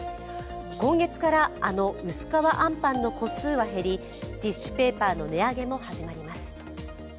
今月から、あの薄皮あんぱんの個数は減り、ティッシュペーパーの値上げも始まります。